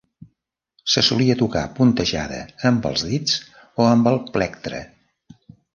Se solia tocar puntejada amb els dits o amb el plectre.